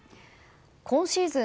今シーズン